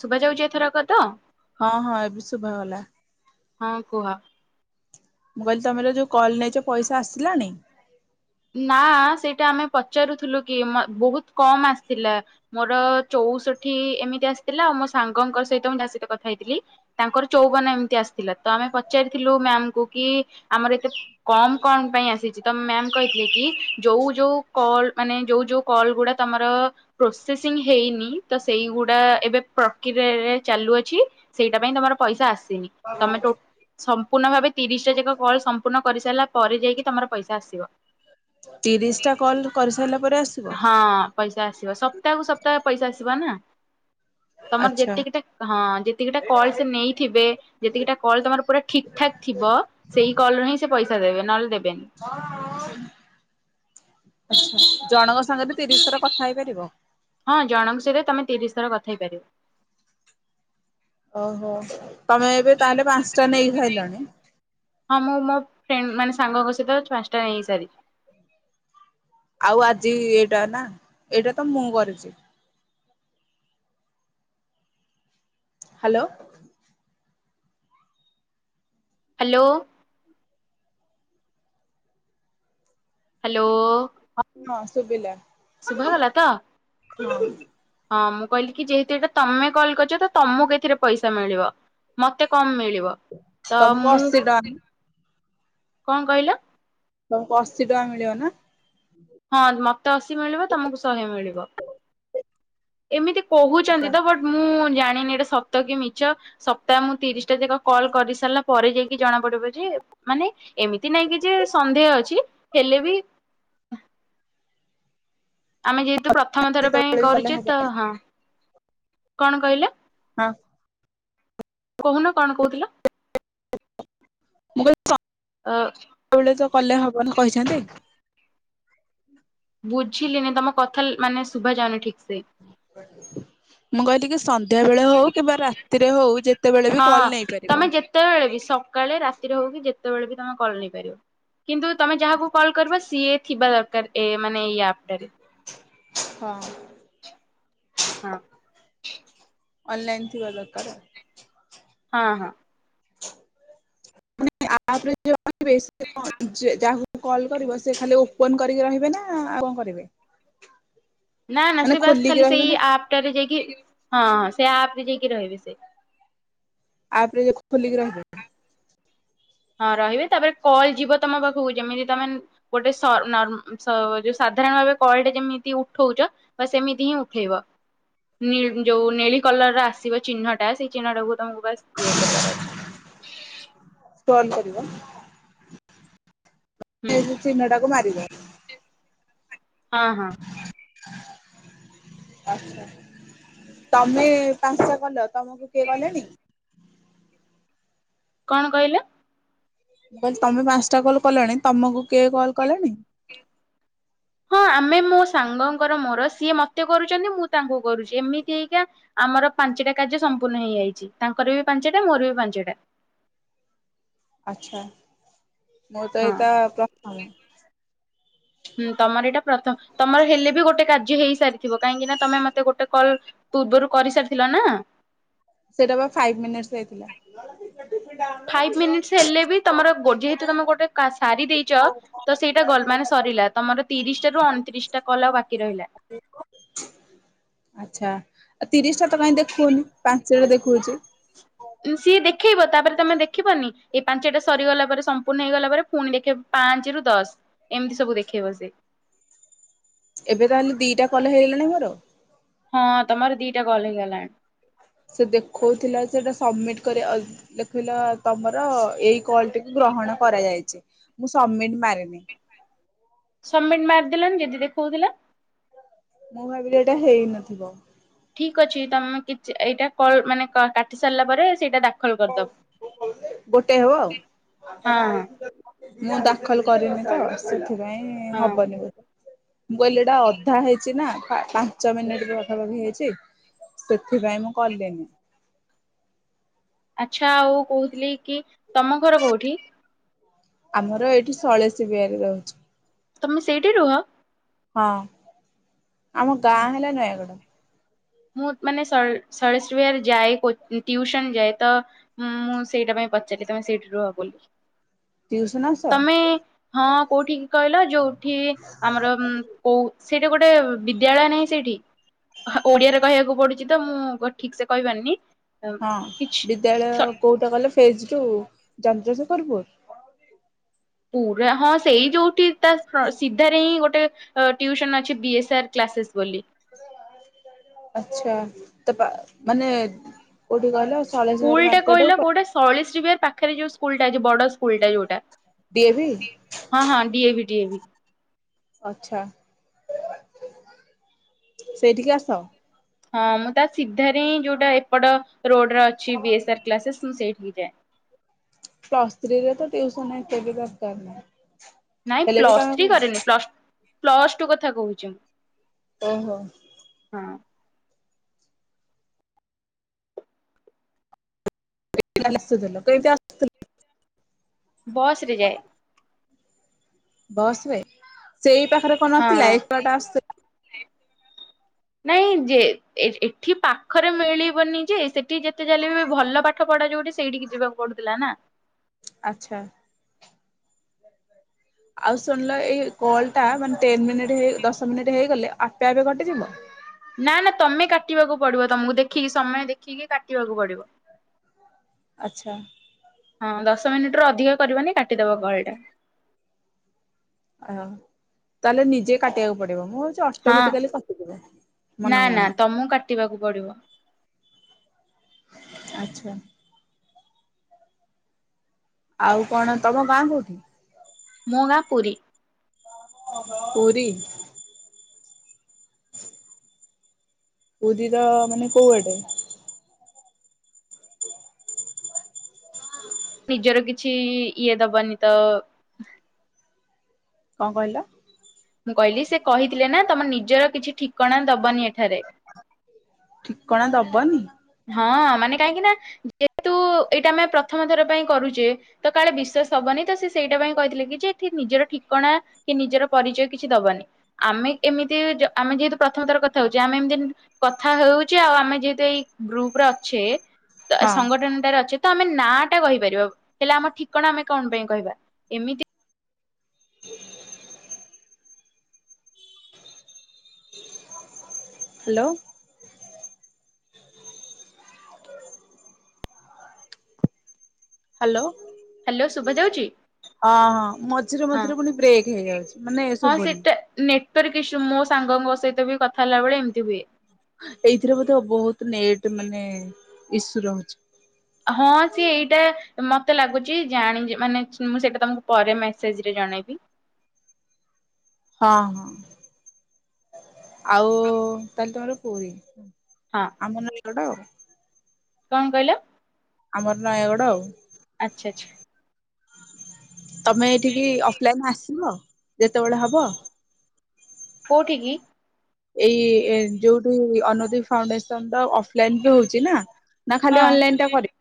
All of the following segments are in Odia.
ଶୁଭା ଯାଉଛି ଏଥରକ ତ। ହଁ ହଁ ଏବେ ଶୁଭାଗଲା। ହଁ କୁହ। ମୁଁ କହିଲି ତମର ଯୋଉ କଲ୍ ନେଇଚ ପଇସା ଆସିଲାଣି? ନା ସେଇଟା ଆମେ ପଚାରୁଥିଲୁ କି ବହୁତ କମ୍ ଆସିଥିଲା। ମୋର ଚଉ ଚଉଷଠି ଏମିତି ଆସିଥିଲା। ଆଉ ମୋ ସାଙ୍ଗଙ୍କ ସହିତ ମୁଁ ତା ସହିତ କଥା ହେଇଥିଲି ତାଙ୍କର ଚଉବନ ଏମିତି ଆସି ଥିଲା। ଆମେ ପଚାରିଥିଲୁ ମ୍ୟାମ କୁ କି ଆମର ଏତେ କମ କଣ ପାଇଁ ଆସିଛି। ତ ମ୍ୟା କହି ଥିଲେ କି ଯୋଉ ଯୋଉ କଲ ମାନେ ଯଉ ଯୋଉ କଲ ଗୁଡା ତମର ପ୍ରୋସେସିଂ ହେଇନି ତ ସେଇଗୁଡା ଏବେ ପ୍ରକ୍ରିୟାରେ ଚାଲୁଅଛି। ସେଇଟା ପାଇଁ ତମର ପଇସା ଆସିନି। ତମେ ଟୋ ସମ୍ ପୂର୍ଣ୍ଣ ଭାବେ ତିରିଶଟା ଯାକ କଲ ସମ୍ପୂର୍ଣ୍ଣ କରିସାରିଲା ପରେ ଯାଇକି ତମର ପଇସା ଆସିବ। ତିରିଶଟା କଲ୍ କରିସାରିଲା ପରେ ଆସିବ? ହଁ ପଇସା ଆସିବ। ସପ୍ତାହକୁୁ ସପ୍ତାହ ପଇସା ଆସିବା ନା। ତମର ଆଚ୍ଛା ଯେତିକିଟା ହଁ ଯେତିକିଟା କଲ ସେ ନେଇଥିବେ ଯେତିକିଟା କଲ୍ ତମର ପୁରା ଠିକ୍ ଠାକ୍ ଥିବ ସେଇ କଲରେ ହିଁ ସେ ପଇସା ଦେବେ। ନହେଲେ ଦେବେ ହଁ ହଁ। ଜଣଙ୍କ ସାଙ୍ଗରେ ତିରିଶ ଥର କଥା ହେଇପାରିବ? ହଁ ଜଣଙ୍କ ସହିତ ତମେ ତିରିଶ ଥର କଥା ହେଇପାରିବ। ଓହୋ ତମେ ଏବେ ତାହେଲେ ପାଞ୍ଚଟା ନେଇସାଇଲଣି। ହଁ ମୁଁ ମୋ ଫ୍ରେଣ୍ଡ ମାନେ ସାଙ୍ଗଙ୍କ ସହିତ ପାଞ୍ଚଟା ହେଇସାରିଛି। ଆଉ ଆଜି ଏଇଟା ନା ଏଇଟା ତ ମୁଁ କରିଚି। ହ୍ୟାଲୋ। ହ୍ୟାଲୋ। ହ୍ୟାଲୋ। ହଁ ଶୁଭିଲା। ଶୁଭାଗଲା ତ? ହଁ। ହଁ ମୁଁ କହିଲି କି ଯେହେତୁ ଏଟା ତମେ କଲ୍ କରିଚ ତ ତମକୁ ଏଥିରେ ପଇସା ମିଳିବ। ମତେ କମ ମିଳିବ। ତ ତମକୁ ମୁଁ, ଅଶୀ ଟଙ୍କା କଣ କହିଲ? ତମକୁ ଅଶୀ ଟଙ୍କା ମିଳିବ ନା? ହଁ ମତେ ଅଶୀ ମିଳିବ ତମକୁ ଶହେ ମିଳିବ। ଏମିତି ଆଚ୍ଛା। କହୁଛନ୍ତି ତ ବଟ୍ ମୁଁ ଜାଣିନି ଏଟା ସତ କି ମିଛ ସପ୍ତାହ ମୁଁ ତିରିଶ ଟା ଯାକ କଲ୍ କରି ସାରିଲା ପରେ ଯାଇକି ଜଣା ପଡିବ ଯେ ମାନେ ଏମିତି ନାଇଁ କି ଯେ ସନ୍ଦେହ ଅଛି ହେଲେ ବି ଆମେ ଯେହେତୁ ପ୍ରଥମ ଥର ପାଇଁ ଯେତେବେଳେ ବି କଲେ କରୁଛେ ହବ ତ ହଁ କଣ କହିଲେ? ହଁ। କହୁନ କଣ କହୁଥିଲ? ମୁଁ ଅ କହିଲି ସ୍ [unintelligible] କଲେ ହବନି କହିଛନ୍ତି। ବୁଝିଲିନି ତମ କଥା ମାନେ ଶୁଭା ଯାଉନି ଠିକିସେ। ମୁଁ କହିଲି କି ସ ସନ୍ଧ୍ୟ ବେଳେ ହଉ କିମ୍ବା ରାତିରେ ହଉ ଯେତେବେଳେ ବି ହଁ କଲ ନେଇପାରିବ। ତମେ ସେତେବେଳେ ବି ତମେ କଲ୍ ନେଇପାରିବ କିନ୍ତୁ ତମେ ଯାହାକୁ କଲ୍ କରିବ ସିଏ ଥିବା ଦର କର ଏ ମାନେ ଇଏ ଆପଟାରେ। ହଁ। ହଁ। ଅନ୍ଲାଇନ ଥିବା ଦରକାର। ହଁ ହଁ। [unintelligible] [unintelligible] ଯାହାକୁ ତମେ କଲ କରିବ ସେ ଖାଲି ଓପନ କରିକି ରହିବେ ନା ଆଉ କଣ କରିବେ? ନା ନା ମାନେ ସେ ବାସ ଖୋଲିକି ଖାଲି ରହିବେ ସେଇ ନା ଆପଟାରେ ଯାଇକି ହଁ ହଁ ସେ ଆପରେ ଯାଇକି ରହିବେ। ସେ ଆପରେ [unintelligible] ଖୋଲିିକି ରହିବେ। ହଁ ରହିବେ ତାପରେ କଲ ଯିବ ତମ ପାଖକୁ ଯେମିତି ତମେ ଗୋଟେ ସ ନନ ସ [unintelligible] ସାଧାରଣ ଭାବେ କଲଟି ଯେମିତି ଉଠଉଚ ବାସ ସେମିତି ହିଁ ଉଠେଇବ। ନିଅ ଯୋଉ ନେଳି କଲର ର ଆସିବ ଚିହ୍ନଟା ସେଇ ଚିହ୍ନ ତମକୁ ବାସ ଇଏ କରିବାର ଅଛି। ହୁଁ ଚିହ୍ନ ଟାକୁ ମାରିବ। ହଁ ହଁ। ତମେ ପାଂଶାଟା କଲ୍ ତମକୁ କିଏ କଲେଣି? କଣ କହିଲ? ମୁଁ କହିଲି ତମେ ପାଂଶଟା କଲ କଲଣି ତମକୁ କିଏ କଲ କଲେଣି? ହଁ ଆମେ ମୋ ସାଙ୍ଗଙ୍କର ମୋର ସିଏ ମତେ କରୁଚନ୍ତି ମୁଁ ତାଙ୍କୁ କରୁଚି ଏମିତି ହେଇକା ଆମର ପାଞ୍ଚଟା କାର୍ଯ୍ୟ ସମ୍ପୂର୍ଣ୍ଣ ହେଇଯାଇଚି ତାଙ୍କର ବି ପାଞ୍ଚଟା ମୋର ବି ପାଞ୍ଚଟା। ଆଛା। ମୁ ତ ହଁ। ଏଇତ ପ୍ର [unintelligible] ହୁଁ ତମର ଏଇଟା ପ୍ରଥମ ତମର ହେଲେ ବି ଗୋଟେ କାର୍ଯ୍ୟ ହେଇ ସାରଥିବ କାହିଁକିନା ତମେ ମତେ ଗୋଟେ କଲ୍ ପୂର୍ବରୁ କରିସାରିଥିଲ ନା। ସେଇଟା ପା ଫାଇ ମିନିଟସ ହେଇଥିଲା। ଫାଇଭ ମିନିଟସ ହେଲେ ବି ତମର ଗୋ ଯେହେତୁ ତମେ ଗୋଟେ କା ସାରୀ ଦେଇଚ ତ ସେଇଟା ଗଲ ମାଥ। ସରିଲା ତମର ତିରିଶଟା ରୁ ଅନତିରିଶ ଟା କଲ ଆଉ ବାକି ରହିଲା। [inaudible] ଆଛା ଆ ତିରିଶଟା ତ କାଇଁ ଦେଖଉନି ପାଞ୍ଚଟା ଦେଖଉଚି। ସିଏ ଦେଖେଇବ ତାପରେ ତମେ ଦେଖିବନି ଏଇ ପାଞ୍ଚଟା ସରିଗଲା ପରେ ସମ୍ପୂର୍ଣ୍ଣ ହେଇଗଲା ପରେ ଫୁଣି ଦେଖେଇବ ପା ପାଞ୍ଚେରେ ରୁ ଦଶ ଏମିତି ସବୁ ଦେଖେଇବ ସେ। ଏବେ ତାହେଲେ ଦିଟା କଲ ହେଇଗଲାଣି ମୋର ହଁ ତମର ଦିଟା କଲ ହେଇଗଲାଣି। ସେ ଦେଖଉଥିଲା ସେଟା ସମିଟ କରିଆ ଲେଖଲା ତମର କଲ ଟିକୁ ଗ୍ରହଣ କରାଯାଇଛି ମୁଁ ସବମିଟ ମାରିନି। ସମିଟ ମାରିଦେଲନି ଯଦି ଦେଖଉଥିଲା। ମୁଁ ଭାବିଲି ଏଇଟା ହେଇନଥିବ। ଠିକ୍ ଅଛି ତମେ କିଛି ଏଇଟା-କ-ମାନେ କାଟି ସାରିଲା ପରେ ସେଇଟା ଡା ଗୋଟେ ହବ ଆଉ। ହଁ ହଁ ମୁଁ ଦାଖଲ କରିନି ତ ସେଥିପାଇଁ ହଁ ହବନି ବୋ ମୁଁ କହିଲି ଏଇଟା ଅଧା ହେଇଛି ନା। ପାଞ୍ଚ ମିନିଟ ପାଖାପାଖି ହେଇଛି ସେଥିପାଇଁ ମୁଁ କଲିନି। [inaudible] ଆଚ୍ଛା ଆଉ କହୁଥିଲି କି ତମ ଘର କୋଉଠି? ଆମର ଏଇଠି ସଳେସ ବିହାରରେ ରହୁଛୁ। ତମେ ସେଇଠି ରୁହ। ହଁ ଆମ ଗାଁ ହେଲା ନୟାଗଡ। ମୁଁ ମାନେ ସ-ସଳେସ ବିହାର ଯାଏ ଟିଉସନ୍ ଯାଏ ତ ମୁଁ ସେଇଟା ପାଇଁ ପଚାରିଲି ତମେ ସେଇଠି ରୁୁହ ବୋଲି। ଟିଉସନ୍ ଆସ ତମେ ହଁ କୋଉଠି କହିଲ ଯୋଉଠି ଆମର କୋଉ ସେଇଟା ଗୋଟେ ବିଦ୍ୟାଳୟ ନାହିଁ ସେଇଠି। ଓଡିଆରେ କହିବାକୁ ପଡୁଛି ତ ମୁଁ ଠିକ ସେ କହିପାରୁନି। ଅମ୍, ହଁ କିଛି ବିଦ୍ୟାଳୟ ସ- କୋଉଟା ଗଲେ ଫେଜ ଟୁ। ଚନ୍ଦ୍ରଶେଖରପୁର। ପୁରା ହଁ ସେଇ ଯୋଉଠି ତା ସିଧାରେ ହିଁ ଗୋଟେ ଟିଉସନ୍ ଅଛି ବି ଏସ୍ ଅର୍ କ୍ଲା ସେସ୍ ବୋଲି। ଆଛା ତ ମାନେ କୋଉଠି କହିଲ ସ୍କୁଲ ସଳେଶ୍ୱର ଟେ ମାର୍କେଟ କହିଲ କୋଉଟା ସଳେଶ୍ରୀ ବିହାର ପାଖରେ ଯୋଉ ସ୍କୁଲ ଟା ଯେ ବଡ ସ୍କୁଲ ଟା ଯୋଉଟା ଡିଏଭି ହଁ ହଁ ଡିଏଭି ଡିଏଭି। ଆଛା ସେଇଠିକି ଆସ। ହଁ ମୁଁ ତା ସିଧାରେ ହିଁ ଯୋଉଟା ଏପଟ ରୋଡ ଅଛି ବି ଏସ୍ ଆର କ୍ଲାସେସ୍ ମୁଁ ସେଇଠି କି ଯାଏ। ପ୍ଲସ ଥ୍ରି ରେ ତ ଟିଉସନ୍ ଏତେ ବି ଦରକାର ନାହିଁ। ନାଇଁ ହେଲେ ବି ପ୍ଲସ୍ ତମେ ଥ୍ରୀ କରୁଛ। କରିନି ପ୍ଲସ୍ -ପ୍ଲସ୍ ଟୁ କଥା କହୁଛି ମୁଁ। ଓହୋ। ହଁ। [unintelligible] ବସ୍ ରେ ଯାଏ। ବସରେ ସେଇ ପାଖରେ କଣ ନଥିଲା ହଁ ଏପଟେ ଆସ ନାଇଁ ଯେ ଏଠି ପାଖରେ ମିଳିବନି ଯେ ସେଠି ଯେତେ ଯାହା ହେଲେ ବି ଭଲ ପାଠ ପଢା ଟା ଯୋଉଠି ସେଇଠିକି ଯିବାକୁ ପଡୁଥିଲା ନା। ଆଚ୍ଛା। ଆଉ ଶୁଣିଲ ଏଇ କଲ ଟା ମାନେ ଟେନ ମିନିଟ ହେ ଦଶ ମିନିଟ ହେଇଗଲେ ଆପେ ଆପେ କଟି ଯିବ? ନା ନା ତମେ କାଟିବାକୁ ପଡିବ ତମକୁ ଦେଖିକି ସମୟ ଦେଖିକି କାଟିବାକୁ ପଡିବ। ହୁଁ ଆଛା। ହଁ ଦଶ ମିନିଟ ରୁ ଅଧିକ କରିବନି କାଟିଦବ କଲ୍ ଟା। ଅ ତାହେଲେ ନିଜେ କାଟିବାକୁ ପଡ ମୁଁ ଭାବୁଛି ହଁ। ଅଟମେଟିକାଲି କଟିଯିବ ନା ମାନକୁ ନା ମନ। ତମକୁ କାଟିବାକୁ ପଡିବ ଆଚ୍ଛା। ଆଉ କଣ ତମ ଗାଁ କୋଉଠି? ମୋ ଗାଁ ପୁରୀ। ପୁରୀ। ଉଦିର ମାନେ କୋଉଆଟେ। ନିଜର କିଛି ଇଏ ଦବନି ତ। କଣ କହିଲ। ମୁଁ କହିଲି ସେ କହିଥିଲେ ନା ତମ ନିଜର କିଛି ଠିକଣା ଦବନି। ଏ ଠିକଣା ଦବନି। ହଁ ମାନେ କାହିଁକି ନା ଯେହେତୁ ଏଇଟା ଆମେ ପ୍ରଥମ ଥର ପାଇଁ କରୁଚେ। ତ କାଳେ ବିଶ୍ୱାସ ହବନି। ସେ ସେଇଟା ପାଇଁ କହିଥିଲେ କି ଯେଠି ନିଜର ଠିକଣା କି ନିଜର ପରିଚୟ କିଛି ଦବନି। ଆମେ ଏ ଏମତି ଆମେ ଯେହେତୁ ପ୍ରଥମ ଥର କଥା ହେଉଚି। ଆମେ ଏମିତି କଥା ହେଉଚେ। ଆଉ ଆମେ ଯେହେତୁ ଏଇ ଗ୍ରୁପ ର ଅଛେ ତ ହଁ ସଂଗଠନଟାରେ ଅଛେ। ତ ଆମେ ନା ଟା କହିପାରିବା। ହେଲେ ଆମ ଠିକଣା ଆମେ କଣ ପାଇଁ କହିବା। ଏମିତି ହାଲୋ। ହାଲୋ। ହାଲୋ ଶୁଭା ଯାଉଚି। ଅ ହଁ ମଝିରେ ହଁ। ମଝିରେ ପୁଣି ବ୍ରେକ୍ ହେଇଯାଉଚି ମାନେ ସୁବୁନି। କରିକି ସେମ ମୋ ସାଙ୍ଗଙ୍କ ସହିତ ବି କଥା ହେଲା ବେଳେ ଏମିତି ହୁଏ। ଏଇଥିରେ ବୋଧେ ବହୁତ ନେଟ ମାନେ ଇସୁ ରହୁଛି। ହଁ ସିଏ ଏଇଟା ମତେ ଲାଗୁଚି। ଜାଣି ମାନେ ମୁଁ ସେଇଟା ତମକୁ ପରେ ମେସେଜ ରେ ଜଣେଇବି। [inaudible] ହଁ ହଁ ଆଉ ତାହେଲେ ତମର ପୁରି। ହୁଁ। ହଁ ଆମ ନାନି ଗଡଟା ଆଉ। କଣ କହିଲ। ଆମର ନୟାଗଡ ଆଉ। ଆଛା ଆଚ୍ଛା। ତମେ ଏଠିକି ଅଫଲାଇନ ଆସିବ ଯେତେବେଳେ ହବ। କଉଠିକି? ଏଇ ଯୋଉଠୁ ଅନୁଦୁଫାଉଣ୍ଡେସନ ର ଅଫଲାଇନ ବି ହଉଛି ନା। ନା ହଁ ଖାଲି ଅନଲାଇନ ଟା କରି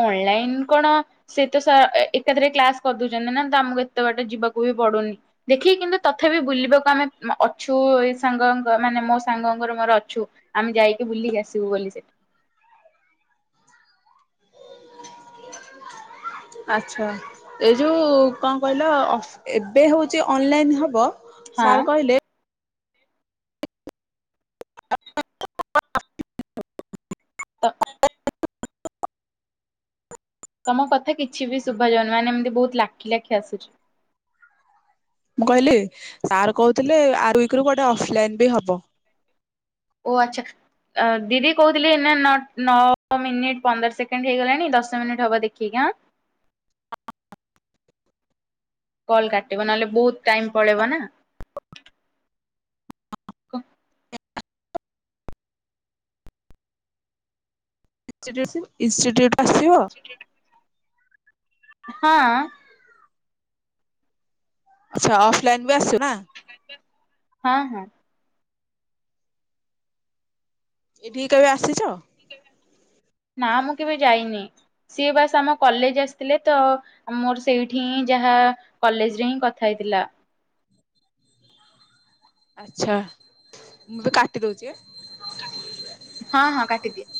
ଅନଲାଇନ କଣ ସେ ତ ସା ଏକାଥରେ କ୍ଲାସ କରିଦଉଛନ୍ତିନା। ତ ଆମକୁ ଏତେ ବାଟ ଯିବାକୁ ହ ପଡୁନି ଦେଖିକି କିନ୍ତୁ ତଥାପି ବୁଲିବାକୁ ଆମେ ଅଛୁ। ସାଙ୍ଗଙ୍କ ମାନେ ମୋ ସାଙ୍ଗଙ୍କ ମୋର ଅଛୁ ଆମେ ଯାଇକି ବୁଲିକି ଆସିବୁ ବୋଲି ସେଠି। [inaudible] ଆଚ୍ଛା ଏ ଯୋଉ କଣ କହିଲ ଏବେ ହଉଛି ଅନଲାଇନ ହବ। ସାର୍ ହଁ କହିଲେ? ତ ତମ କଥା କିଛି ବି ଶୁଭାଯାଉନି ମାନେ ଏମିତି ବହୁତ ଲାଖି ଲାଖି ଆସୁଚି। ମୁଁ କହିଲି ସାର୍ କହୁଥିଲେ ଆର ଉଇକିରୁ କୁଆଡେ ଅଫଲାଇନ ବି ହବ। ଓ ଆଚ୍ଛା। ଅ ଦିଦି କହୁଥିଲି ଏଇନା ନ ନଅ ମିନିଟ୍ ପନ୍ଦର ସେକେଣ୍ଡ ହେଇଗଲାଣି। ଦଶ ମିନିଟ୍ ହବ ଦେଖିକି ଆଁ। କଲ୍ କାଟିବ ନହେଲେ ବହୁତ ଟାଇମ ପଳେଇବ ନା। କ ଇନ୍ସ୍ଟିଟ୍ୟୁଟ ଆସିବ। ହଁ। ଆଚ୍ଛା ଅଫଲାଇନ ବି ଆସଛୁ ନା। ହଁ ହଁ। ଏଇଠିକି କେବେ ଆସିଚ? ନା ମୁଁ କେବେ ଯାଇନି। ସିଏ ବାସ ଆମ କଲେଜ ଆସିଥିଲେ। ତ ମୋର ସେଇଠି ହିଁ ଯାହା କଲେଜ ରେ ହିଁ କଥା ହେଇଥିଲା। ଆଚ୍ଛା ମୁଁ ଏବେ କାଟି ଦଉଚି ଆଁ। ହଁ ହଁ କାଟିଦିଅ।